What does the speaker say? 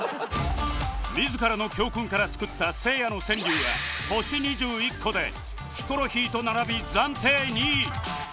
自らの教訓から作ったせいやの川柳は星２１個でヒコロヒーと並び暫定２位